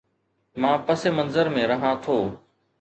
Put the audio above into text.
مان پس منظر ۾ رهان ٿو